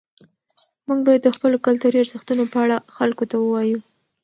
موږ باید د خپلو کلتوري ارزښتونو په اړه خلکو ته ووایو.